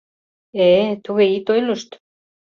— Э-э, туге ит ойлышт.